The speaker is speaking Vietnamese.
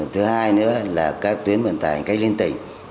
thứ hai nữa là các tuyến vận tải hành khách liên tỉnh